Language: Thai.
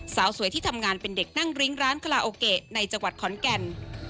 สาวสวยที่ทำงานเป็นเด็กนั่งริ้งร้านคาราโอเกะในจังหวัดขอนแก่น